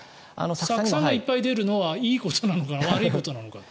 酢酸がいっぱい出るのはいいことなのか悪いことなのか。